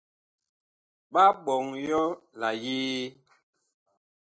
Ɓa ɓɔŋ yɔ la yee ?